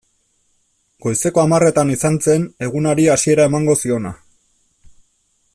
Goizeko hamarretan izan zen egunari hasiera emango ziona.